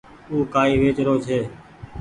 او ڪآئي ويچ رو ڇي۔